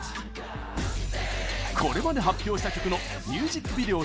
これまで発表した曲のミュージックビデオ